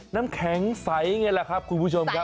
น้ำแข็งใสไงล่ะครับคุณผู้ชมครับ